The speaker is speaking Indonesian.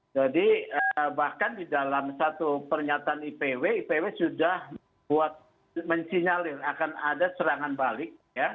jadi bahkan di dalam satu pernyataan ipw ipw sudah buat mensinyalin akan ada serangan balik